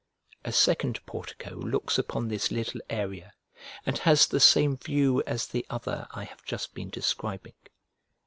A second portico looks upon this little area, and has the same view as the other I have just been describing.